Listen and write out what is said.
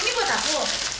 ini buat aku